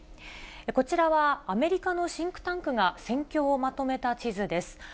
こちらはアメリカのシンクタンクが戦況をまとめた地図です。